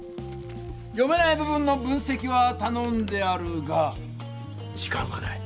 読めない部分の分せきはたのんであるが時間がない。